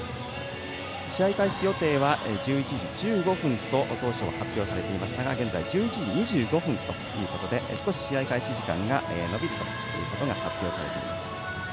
試合開始予定は１１時１５分と当初発表されていましたが１１時２５分ということで少し試合開始時間が延びることが発表されています。